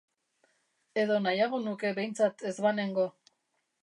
Edo nahiago nuke behintzat ez banengo.